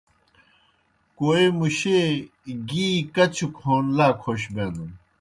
کوئے مُشیئے گِی کچوْ کھون لا کھوش بینَن۔